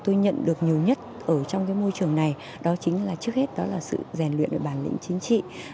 tôi nhận được nhiều nhất ở trong cái môi trường này đó chính là trước hết đó là sự rèn luyện bản lĩnh chính trị